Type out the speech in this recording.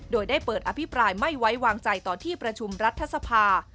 โดยได้เปิดอภิปรายไม่ไว้วางใจต่อที่ประชุมรัฐสภา